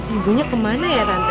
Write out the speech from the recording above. ibunya kemana ya randa